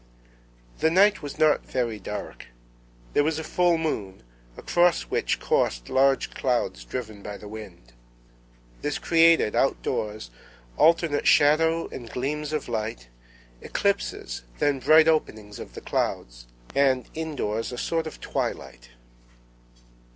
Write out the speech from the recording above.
The night was not very dark; there was a full moon, across which coursed large clouds driven by the wind. This created, outdoors, alternate shadow and gleams of light, eclipses, then bright openings of the clouds; and indoors a sort of twilight.